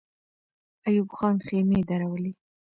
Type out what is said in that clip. ایوب خان خېمې درولې.